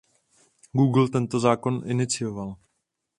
Google tento zákon inicioval.